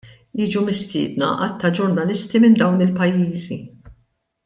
Jiġu mistiedna għadd ta' ġurnalisti minn dawn il-pajjiżi.